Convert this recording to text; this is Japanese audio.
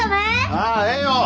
ああええよ！